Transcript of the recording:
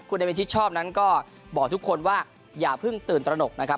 คุณเอมิชิดชอบนั้นก็บอกทุกคนว่าอย่าเพิ่งตื่นตระหนกนะครับ